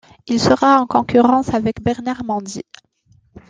Il sera en concurrence avec Bernard Mendy.